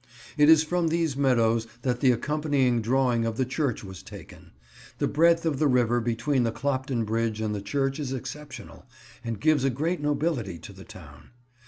It is from these meadows that the accompanying drawing of the church was taken. The breadth of the river between the Clopton Bridge and the church is exceptional, and gives a great nobility to the town.